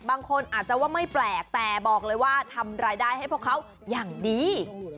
บางคนอาจจะว่าไม่แปลกแต่บอกเลยว่าทำรายได้ให้พวกเขาอย่างดี